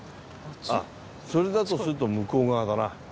あっそれだとすると向こう側だな多分。